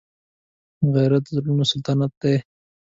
غیرت د زړونو سلطنت دی